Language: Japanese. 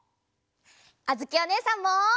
あづきおねえさんも！